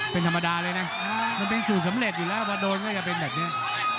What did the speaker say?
เป็นธรรมดาเลยนะมันเป็นสูตรสำเร็จอยู่แล้วพอโดนก็จะเป็นแบบนี้